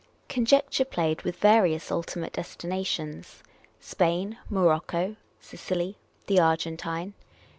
Conjecture played with various ultimate destinations — Spain, Morocco, Sicily, the Argentine.